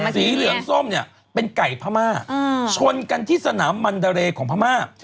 สีเหลืองส้มเนี่ยเป็นไก่พม่าชนกันที่สนามมันดาเรย์ของพม่า